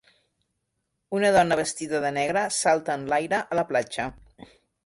una dona vestida de negre salta enlaire a la platja.